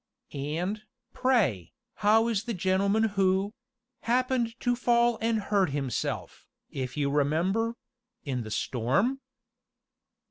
"And, pray, how is the gentleman who happened to fall and hurt himself, if you remember in the storm?"